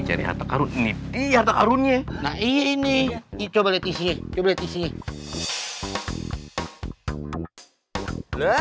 cari harta karunnya ini coba